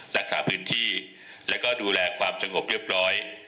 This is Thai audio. รักษาพื้นที่แล้วก็ดูแลความสงบเรียบร้อย